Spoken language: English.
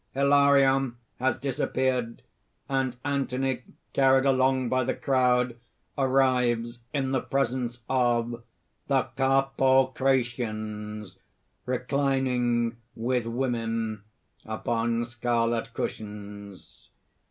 (Hilarion has disappeared; and Anthony, carried along by the crowd, arrives in the presence of ) THE CARPOCRATIANS (_reclining with women upon scarlet cushions.